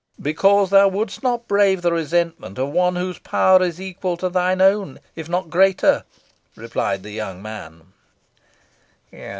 "Because thou wouldst not brave the resentment of one whose power is equal to thine own if not greater," replied the young man.